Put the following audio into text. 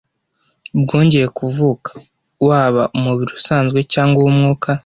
bwongeye kuvuka, waba umubiri usanzwe cyangwa uw’umwuka